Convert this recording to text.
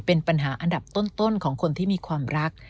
เป็นปัญหาอันดับต้นของคนที่มีความรัก